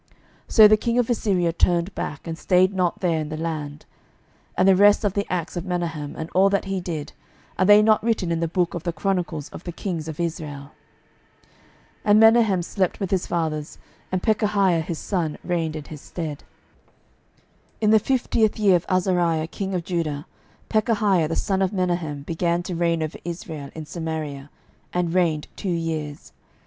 So the king of Assyria turned back, and stayed not there in the land. 12:015:021 And the rest of the acts of Menahem, and all that he did, are they not written in the book of the chronicles of the kings of Israel? 12:015:022 And Menahem slept with his fathers; and Pekahiah his son reigned in his stead. 12:015:023 In the fiftieth year of Azariah king of Judah Pekahiah the son of Menahem began to reign over Israel in Samaria, and reigned two years.